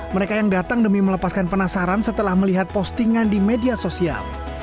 mereka yang datang demi melepaskan penasaran setelah melihat postingan di media sosial